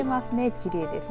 きれいです。